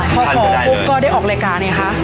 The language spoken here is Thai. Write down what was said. เถอะพึกก็ได้ออกรายการเนี่ยค่ะ